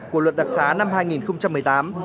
của luật đặc xá năm hai nghìn một mươi tám